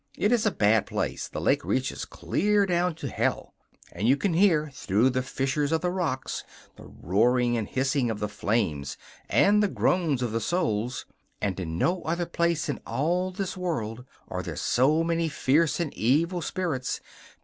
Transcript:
It is a bad place. The lake reaches clear down to Hell, and you can hear, through the fissures of the rocks, the roaring and hissing of the flames and the groans of the souls. And in no other place in all this world are there so many fierce and evil spirits.